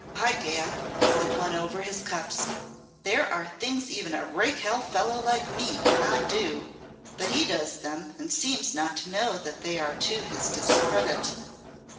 "By Gad!" said one over his cups, "there are things even a rake hell fellow like me cannot do; but he does them, and seems not to know that they are to his discredit."